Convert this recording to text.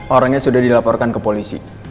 orangnya sudah dilaporkan ke polisi